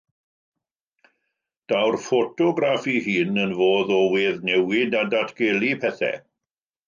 Daw'r ffotograff ei hun yn fodd o weddnewid a datgelu pethau.